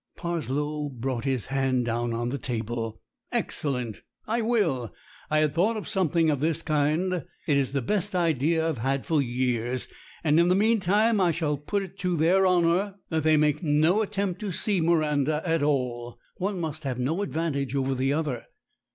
Parslow brought his hand down on the table. "Ex cellent! I will. I had thought of something of this kind. It's the best idea I've had for years. And in the meantime I shall put it to their honor that they make no attempt to see Miranda at all. One must have no advantage over the other.